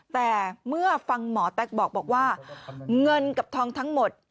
แต่เมื่อฟังหมอแต๊กบอกว่าเงินกับทองทั้งหมด